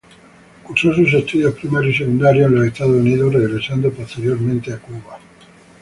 Cursó sus estudios primarios y secundarios en Estados Unidos regresando posteriormente a Cuba.